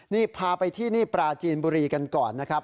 นี่พาไปที่นี่ปราจีนบุรีกันก่อนนะครับ